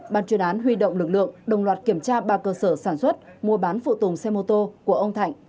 ban chuyên án huy động lực lượng đồng loạt kiểm tra ba cơ sở sản xuất mua bán phụ tùng xe mô tô của ông thạnh